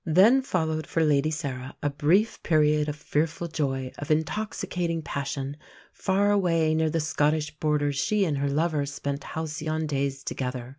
Then followed for Lady Sarah a brief period of fearful joy, of intoxicating passion. Far away near the Scottish border she and her lover spent halcyon days together.